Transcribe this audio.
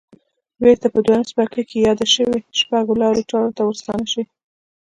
بېرته په دويم څپرکي کې يادو شويو شپږو لارو چارو ته ورستانه شئ.